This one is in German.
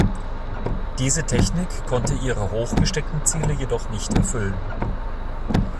Diese Technik konnte ihre hochgesteckten Ziele jedoch nicht erfüllen.